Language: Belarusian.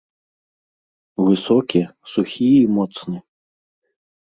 Высокі, сухі і моцны.